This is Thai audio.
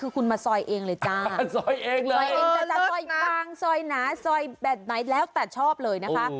คุณมาซอยเองเลยจ้าซอยเองเลยซอยหนาซอยหนาซอยแบบไหนแล้วแต่ชอบเลยนะคะ